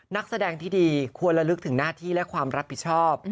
นักแสดงที่ดีควรละลึกถึงหน้าที่และความรับผิดชอบ